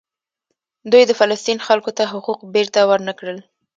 دوی د فلسطین خلکو ته حقوق بیرته ورنکړل.